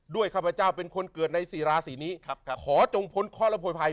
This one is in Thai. ข้าพเจ้าเป็นคนเกิดใน๔ราศีนี้ขอจงพ้นข้อและโพยภัย